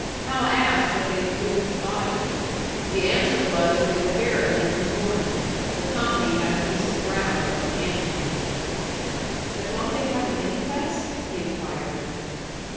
Hal asked what they would do with the body; the answer was they would bury him in the morning. The company had a piece of ground up the canyon. "But won't they have an inquest?" he inquired.